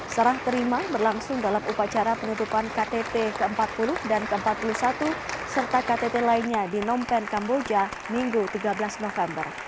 serah terima berlangsung dalam upacara penutupan ktt ke empat puluh dan ke empat puluh satu serta ktt lainnya di nompen kamboja minggu tiga belas november